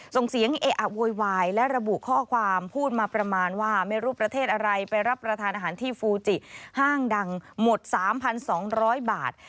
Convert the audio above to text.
ส่งเสียงเอะอะโวยวายและระบุข้อความพูดมาประมาณว่าไม่รู้ประเทศอะไรไปรับประทานอาหารที่ฟูจิห้างดังหมด๓๒๐๐บาท